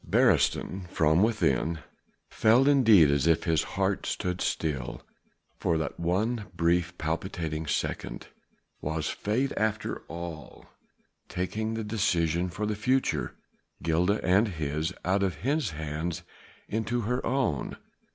Beresteyn from within felt indeed as if his heart stood still for that one brief, palpitating second. Was Fate after all taking the decision for the future Gilda's and his out of his hands into her own?